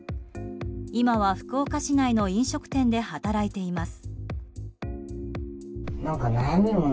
今は福岡市内の飲食店で働いています。